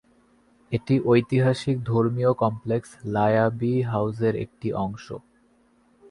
এটি ঐতিহাসিক ধর্মীয় কমপ্লেক্স লায়াব-ই হাউজের একটি অংশ।